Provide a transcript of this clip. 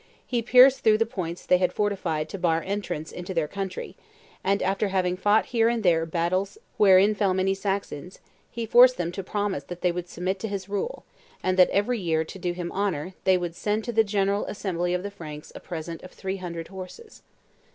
135), "he pierced through the points they had fortified to bar entrance into their country, and, after having fought here and there battles wherein fell many Saxons, he forced them to promise that they would submit to his rule; and that, every year, to do him honor, they would send to the general assembly of the Franks a present of three hundred horses.